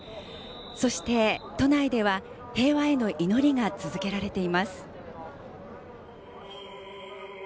そして、都内では平和への祈りが続けられています。